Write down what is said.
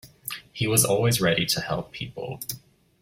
He was always ready to help people.